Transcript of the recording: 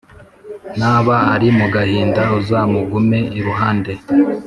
Naba ari mu gahinda, uzamugume iruhande,